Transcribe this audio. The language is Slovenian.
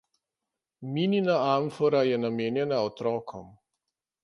Minina amfora je namenjena otrokom.